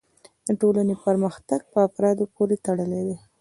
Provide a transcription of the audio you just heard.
د ټولنې پرمختګ په افرادو پورې تړلی دی.